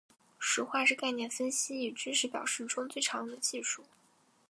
实化是概念分析与知识表示中最常用的技术。